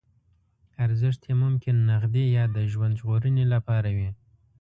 ارزښت یې ممکن نغدي یا د ژوند ژغورنې لپاره وي.